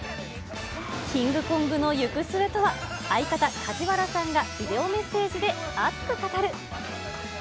キングコングの行く末とは、相方、梶原さんがビデオメッセージで熱く語る。